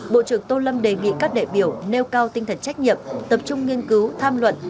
bộ trưởng tô lâm đề nghị các đại biểu nêu cao tinh thần trách nhiệm tập trung nghiên cứu tham luận